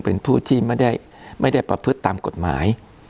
เป็นผู้ที่ไม่ได้ประพฤติตามกฎหมาย